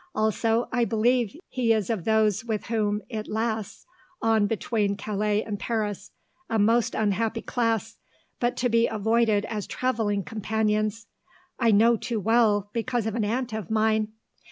Also I believe he is of those with whom it lasts on between Calais and Paris a most unhappy class, but to be avoided as travelling companions. I know too well, because of an aunt of mine....